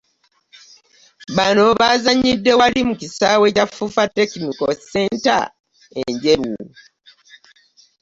Bano bazannyidde wali mu kisaaawe kya FUFA technical center e Njeru